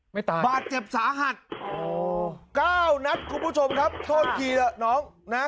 ไม่ตายบาตต์เจ็บสาหัสเก้านัทครับคุณผู้ชมก็ได้โทษ